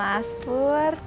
ah mas pur